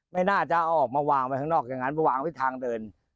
ไม่น่าจะเอาออกมาวางไว้ข้างนอกอย่างนั้นมาวางไว้ทางเดิน